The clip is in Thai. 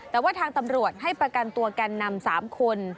แต่ว่าทางตำรวจให้ประกันตัวแกนนำ๓คน